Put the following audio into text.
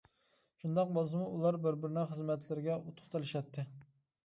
شۇنداق بولسىمۇ، ئۇلار بىر-بىرىنىڭ خىزمەتلىرىگە ئۇتۇق تىلىشەتتى.